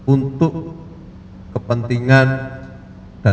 untuk kepentingan dan perlindungan kesehatan